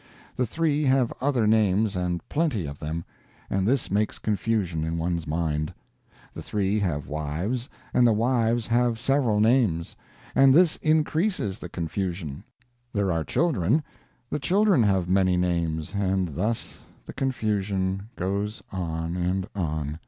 The three have other names and plenty of them, and this makes confusion in one's mind. The three have wives and the wives have several names, and this increases the confusion. There are children, the children have many names, and thus the confusion goes on and on.